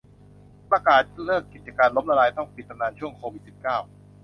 ประกาศเลิกกิจการ ล้มละลาย ต้องปิดตำนานช่วง โควิด สิบเก้า